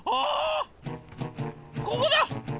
ここだ！